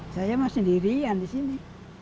saya mah sendirian di sini